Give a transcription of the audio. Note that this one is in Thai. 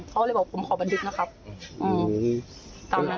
เขาเลยบอกผมขอบันทึกนะครับ